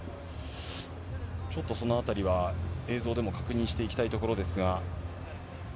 ちょっとそのあたりは映像でも確認していきたいところですが。